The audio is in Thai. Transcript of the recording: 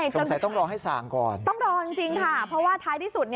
สงสัยต้องรอให้ส่างก่อนต้องรอจริงค่ะเพราะว่าท้ายที่สุด